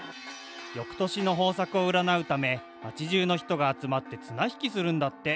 よくとしのほうさくをうらなうためまちじゅうのひとが集まって綱引きするんだって。